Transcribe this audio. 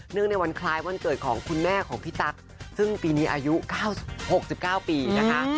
ในวันคล้ายวันเกิดของคุณแม่ของพี่ตั๊กซึ่งปีนี้อายุ๖๙ปีนะคะ